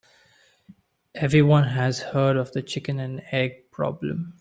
Everyone has heard of the chicken and egg problem.